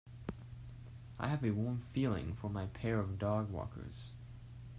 I have a warm feeling for my pair of dogwalkers.